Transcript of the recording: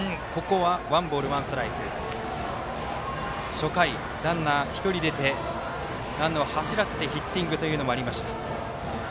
初回、ランナー１人出てランナーを走らせてヒッティングというのもありました。